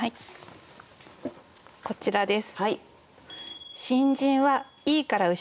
こちらです。